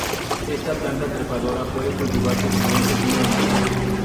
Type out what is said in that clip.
Esta planta trepadora puede cultivarse sobre un pequeño armazón.